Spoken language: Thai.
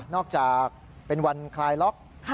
อกจากเป็นวันคลายล็อก